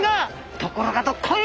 ところがどっこい！